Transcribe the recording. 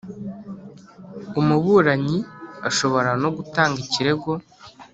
Umuburanyi ashobora no gutanga ikirego